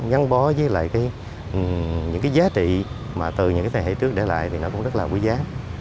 gắn bó với lại những cái giá trị mà từ những cái thế hệ trước để lại thì nó cũng rất là quý giá